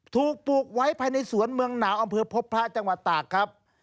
ถูกปลูกไว้ภายในสวนเมืองหนาวอำเภอพบพระจังหวัดตากครับ